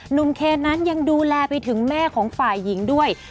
เคนนั้นยังดูแลไปถึงแม่ของฝ่ายหญิงด้วย